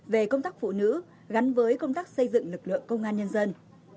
về công tác phụ nữ gắn với công tác xây dựng lực lượng công an nhân dân